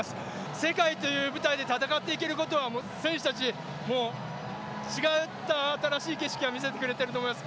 世界という舞台で戦っていけることは選手たちも、違った新しい景色を見せてくれていると思います。